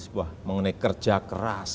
sebuah mengenai kerja keras